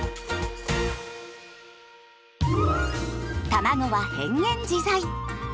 たまごは変幻自在。